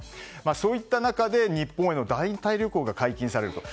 そういった中で日本への団体旅行が解禁されると。